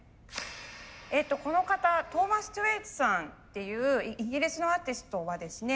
この方トーマス・トウェイツさんっていうイギリスのアーティストはですね